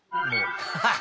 ハハハ！